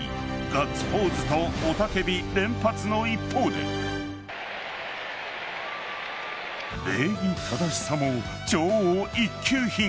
ガッツポーズと雄叫び連発の一方で礼儀正しさも超一級品。